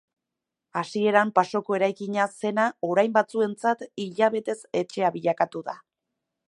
Hasieran pasoko eraikina zena orain batzuentzat hilabetez etxea bilakatu da.